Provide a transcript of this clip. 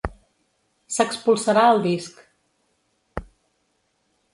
S"expulsarà el disc.